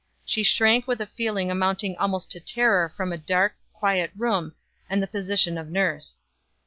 She shrank with a feeling amounting almost to terror from a dark, quiet room, and the position of nurse.